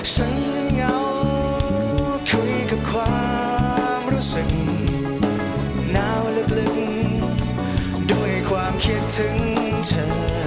เธอเหงาคุยกับความรู้สึกหนาวลึกลึงด้วยความคิดถึงเธอ